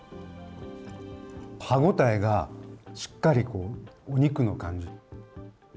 歯応えがしっかりお肉の感じ。